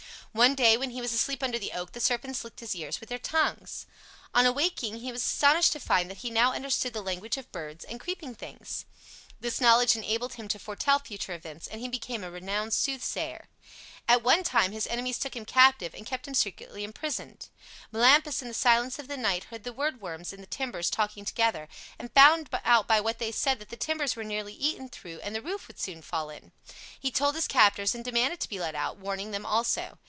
One day when he was asleep under the oak the serpents licked his ears with their tongues. On awaking he was astonished to find that he now understood the language of birds and creeping things. This knowledge enabled him to foretell future events, and he became a renowned soothsayer. At one time his enemies took him captive and kept him strictly imprisoned. Melampus in the silence of the night heard the woodworms in the timbers talking together, and found out by what they said that the timbers were nearly eaten through and the roof would soon fall in. He told his captors and demanded to be let out, warning them also.